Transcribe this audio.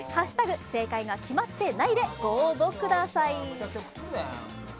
正解が決まってないでご応募ください。